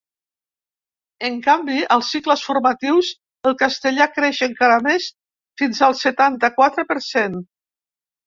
En canvi, als cicles formatius, el castellà creix encara més, fins al setanta-quatre per cent.